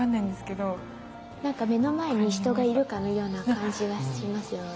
何か目の前に人がいるかのような感じがしますよね。